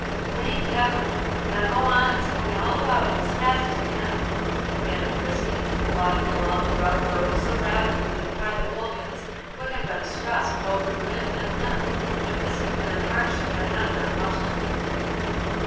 "Thank heaven! Now go on and tell me all about it as fast as you can," commanded Christie, walking along the rough road so rapidly that Private Wilkins would have been distressed both in wind and limb if discipline and hardship had not done much for him.